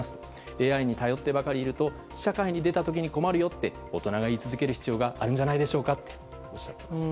ＡＩに頼ってばかりいると社会に出た時に困るよと大人が言い続ける必要があるんじゃないでしょうかとおっしゃっています。